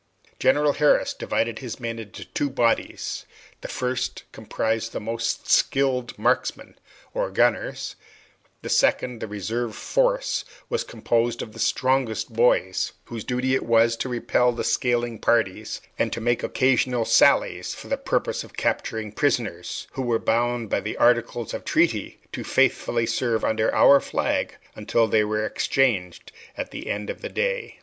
General Harris divided his men into two bodies; the first comprised the most skilful marksmen, or gunners; the second, the reserve force, was composed of the strongest boys, whose duty it was to repel the scaling parties, and to make occasional sallies for the purpose of capturing prisoners, who were bound by the articles of treaty to faithfully serve under our flag until they were exchanged at the close of the day.